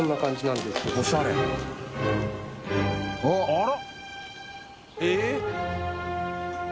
あら。